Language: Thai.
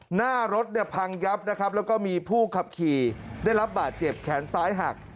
หน้ารถพังยับแล้วก็มีผู้ขับขี่ได้รับบาดเจ็บแขนซ้ายหัก